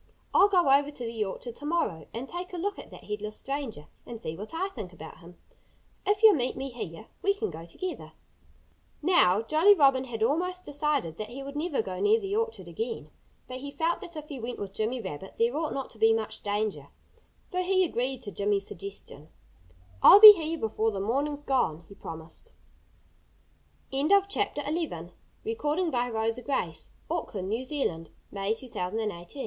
"I'll go over to the orchard to morrow and take a look at that headless stranger and see what I think about him. If you'll meet me here we can go together." Now, Jolly Robin had almost decided that he would never go near the orchard again. But he felt that if he went with Jimmy Rabbit there ought not to be much danger. So he agreed to Jimmy's suggestion. "I'll be here before the morning's gone," he promised. XII JOLLY FEELS BETTER Jolly Robin awoke at dawn. And he knew at once that the day was going to be a fine one.